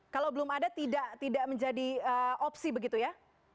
kalau belum ada tidak menjadi opsi begitu ya